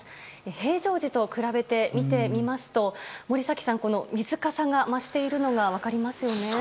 平常時と比べて見てみますと森崎さん、水かさが増しているのが分かりますよね。